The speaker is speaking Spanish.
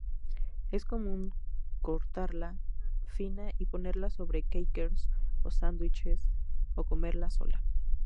Es común cortarla fina y ponerla sobre "crackers" o sándwiches, o comerla sola.